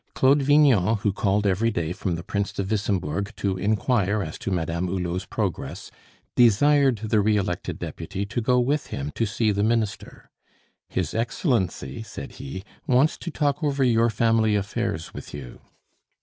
Claude Vignon, who called every day from the Prince de Wissembourg to inquire as to Madame Hulot's progress, desired the re elected deputy to go with him to see the Minister. "His Excellency," said he, "wants to talk over your family affairs with you."